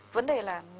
vấn đề là